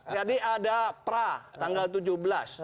jadi ada pra tanggal tujuh belas